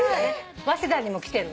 早稲田にも来てるの。